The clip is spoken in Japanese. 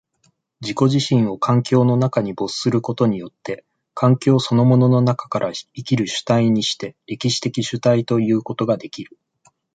自己自身を環境の中に没することによって、環境そのものの中から生きる主体にして、歴史的主体ということができる。